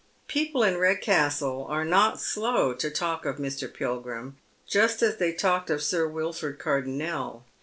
People in Redcastle are not slow to talk of Mr. Pilgrim just as they talked of Sir Wilford Cardonnel.